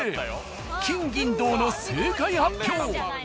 金銀銅の正解発表